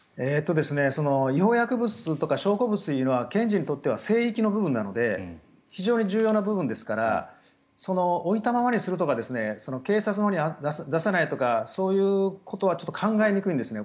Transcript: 違法薬物とか証拠物というのは検事にとっては聖域の部分なので非常に重要な部分ですから置いたままにするとか警察に出さないとかそういうことはちょっと考えにくいんですね。